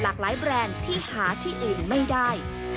หลากหลายแบรนด์ที่หาที่อื่นไม่ได้